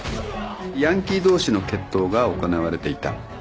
ヤンキー同士の決闘が行われていた。